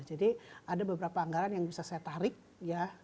jadi ada beberapa anggaran yang bisa saya tarik ya